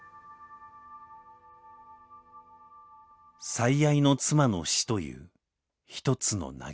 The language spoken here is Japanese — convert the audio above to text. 最愛の妻の死という「一つの嘆き」。